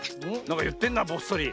なんかいってんなこっそり。